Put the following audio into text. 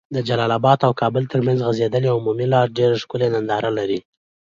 د جلال اباد او کابل تر منځ غځيدلي عمومي لار ډيري ښکلي ننداري لرې